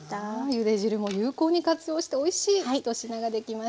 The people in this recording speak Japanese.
ゆで汁も有効に活用しておいしい１品ができました。